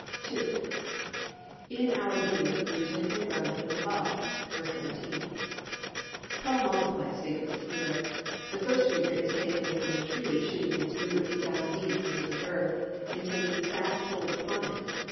II. In our being rooted and grounded in love (v. 17). Paul multiplies figures here. The first figure is taken from the tree shooting its roots down deep into the earth and taking fast hold upon it.